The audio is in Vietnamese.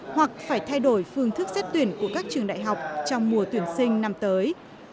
hoặc phải thay đổi phương thức xét tuyển của các trường đại học trong mùa tuyển sinh năm tới